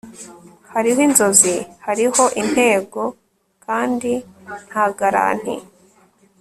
hariho inzozi, hariho intego kandi nta garanti